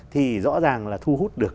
thì rõ ràng là thu hút được